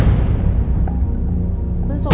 คุณสุดจะเลือกเรื่องไหน